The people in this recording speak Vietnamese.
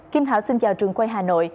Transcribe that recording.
kim thảo xin chào trường quay hà nội